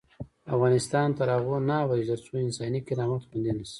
افغانستان تر هغو نه ابادیږي، ترڅو انساني کرامت خوندي نشي.